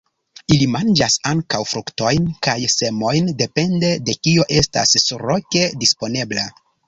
Ili manĝas ankaŭ fruktojn kaj semojn, depende de kio estas surloke disponebla.